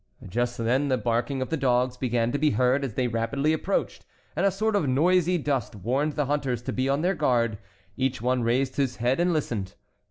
Just then the barking of the dogs began to be heard as they rapidly approached, and a sort of noisy dust warned the hunters to be on their guard. Each one raised his head and listened.